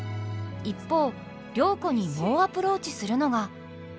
一方良子に猛アプローチするのが。